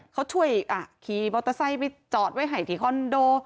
เขาช่วยขี่มอเตอร์ไซค์ไปจอดไว้ให้ที่คอนโด